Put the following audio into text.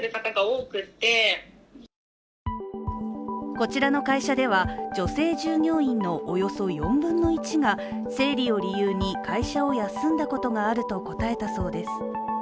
こちらの会社では、女性従業員のおよそ４分の１が生理を理由に会社を休んだことがあると答えたそうです。